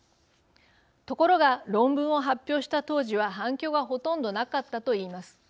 ところが論文を発表した当時は反響はほとんどなかったと言います。